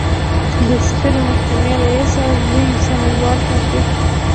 د سترې محکمې رئیس او لوی څارنوال ټاکي.